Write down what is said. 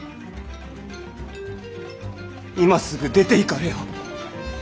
今すぐ出ていかれよ。